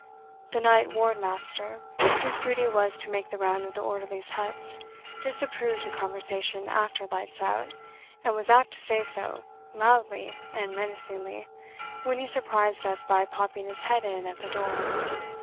The Night Wardmaster, whose duty it was to make the round of the orderlies' huts, disapproved of conversation after Lights Out, and was apt to say so, loudly and menacingly, when he surprised us by popping his head in at the door.